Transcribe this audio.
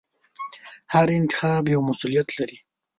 هر انتخاب یو مسؤلیت لري.